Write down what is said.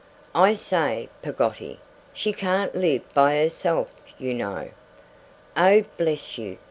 'I say! Peggotty! She can't live by herself, you know.' 'Oh, bless you!